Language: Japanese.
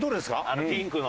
あのピンクの。